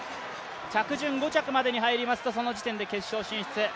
着順５着までに入りますとその時点で決勝進出。